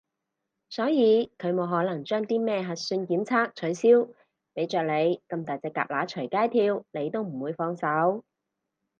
所以佢冇可能將啲咩核算檢測取消，畀着你咁大隻蛤乸隨街跳你都唔會放手